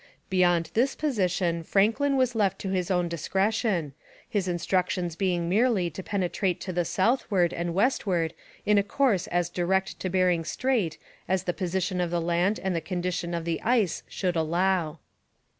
Beyond this position Franklin was left to his own discretion, his instructions being merely to penetrate to the southward and westward in a course as direct to Bering Strait as the position of the land and the condition of the ice should allow.